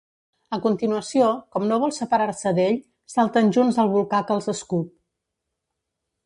A continuació, com no vol separar-se d'ell, salten junts al volcà que els escup.